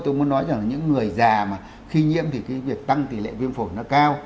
tôi muốn nói rằng những người già mà khi nhiễm thì cái việc tăng tỷ lệ viêm phổi nó cao